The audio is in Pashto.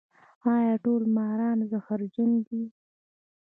ایا ټول ماران زهرجن دي؟